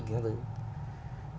thế người con gái thì là